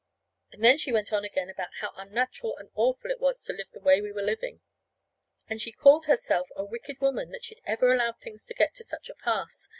And then she went on again about how unnatural and awful it was to live the way we were living. And she called herself a wicked woman that she'd ever allowed things to get to such a pass.